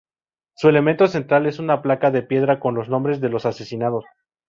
Su elemento central es una placa de piedra con los nombres de los asesinados.